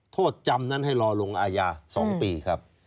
โทษจำนั้นให้รอลงอาญา๒ปีครับ